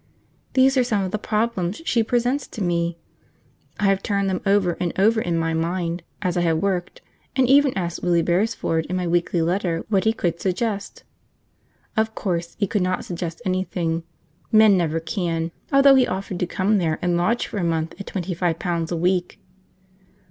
These are some of the problems she presents to me. I have turned them over and over in my mind as I have worked, and even asked Willie Beresford in my weekly letter what he could suggest. Of course he could not suggest anything: men never can; although he offered to come there and lodge for a month at twenty five pounds a week.